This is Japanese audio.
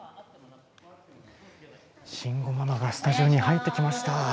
慎吾ママがスタジオに入ってきました。